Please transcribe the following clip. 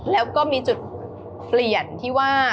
แล้วก็มีจุดเปลี่ยนที่ว่า